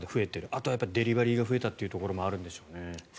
あとはデリバリーが増えたということもあるんでしょうね。